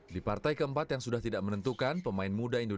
di partai keempat yang sudah tidak menentukan